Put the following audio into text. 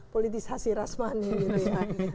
politisasi rasmani gitu ya